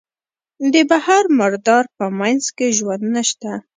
د بحر مردار په منځ کې ژوند نشته.